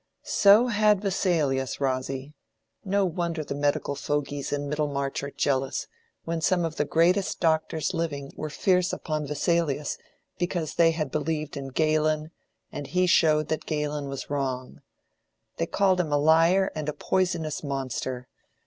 "So had Vesalius, Rosy. No wonder the medical fogies in Middlemarch are jealous, when some of the greatest doctors living were fierce upon Vesalius because they had believed in Galen, and he showed that Galen was wrong. They called him a liar and a poisonous monster.